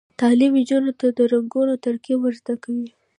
تعلیم نجونو ته د رنګونو ترکیب ور زده کوي.